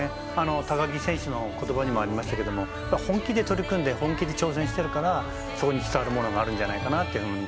高木選手の言葉にもありましたが本気で取り組んで本気で挑戦してるからそこに伝わるものがあるんじゃないかなって。